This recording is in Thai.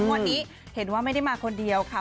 วันนี้เห็นว่าไม่ได้มาคนเดียวค่ะ